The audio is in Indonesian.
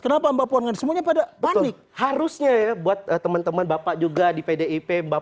kenapa mbak puan semuanya pada panik harusnya ya buat teman teman bapak juga di pdip mbak